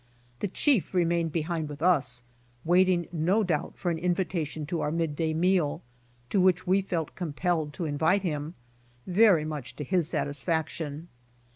The chief remained behind with us, waiting, no doubt, for an invitation to our mid day meal, to which we felt com pelled to invite him, very much to his satisfaction.